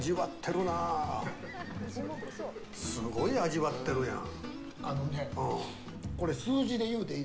すごい味わってるやん。